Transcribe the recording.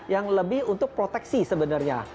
yang lebih untuk proteksi sebenarnya